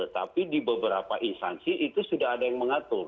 tapi di beberapa instansi itu sudah ada yang mengatur